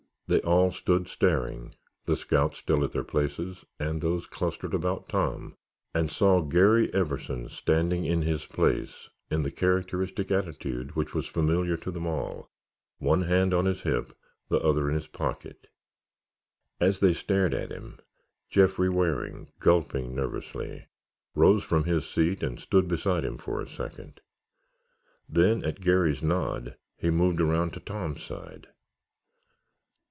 They all stood staring, the scouts still at their places and those clustered about Tom, and saw Garry Everson standing in his place in the characteristic attitude which was familiar to them all, one hand on his hip, the other in his pocket. As they stared at him, Jeffrey Waring, gulping nervously, rose from his seat and stood beside him for a second. Then, at Garry's nod, he moved around to Tom's side.